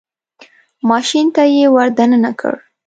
ماشین ته یې ور دننه کړ.